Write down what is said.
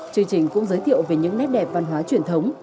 chương trình cũng giới thiệu về những nét đẹp văn hóa truyền thống